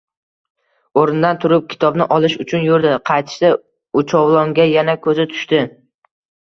O`rnidan turib, kitobni olish uchun yurdi, qaytishda uchovlonga yana ko`zi tushdi